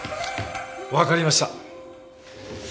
わかりました。